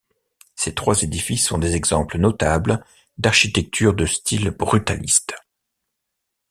Ces trois édifices sont des exemples notables d'architecture de style brutaliste.